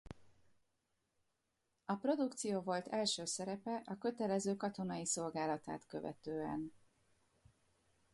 A produkció volt első szerepe a kötelező katonai szolgálatát követően.